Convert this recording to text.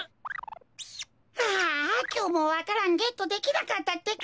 ああきょうもわか蘭ゲットできなかったってか。